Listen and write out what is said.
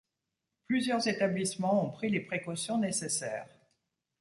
Plusieurs établissements ont pris les précautions nécessaires.